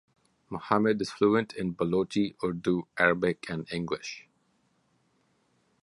Mohammed is fluent in Balochi, Urdu, Arabic, and English.